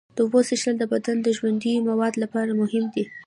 د اوبو څښل د بدن د ژوندیو موادو لپاره مهم دي.